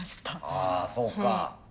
あそうか。